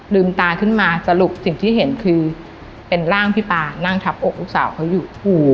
ลืมตาขึ้นมาสรุปสิ่งที่เห็นคือเป็นร่างพี่ปานั่งทับอกลูกสาวเขาอยู่